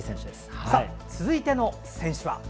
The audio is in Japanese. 続いての選手は？